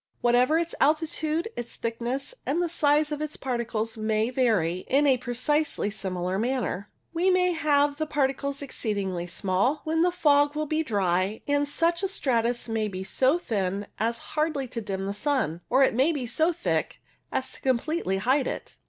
Whatever its altitude, its thickness and the size of its particles may vary in a precisely similar manner. We may have the particles exceedingly small, when the fog will be dry, and such a stratus may be so thin as hardly to dim the sun ; or it may be so thick as to com pletely hide it.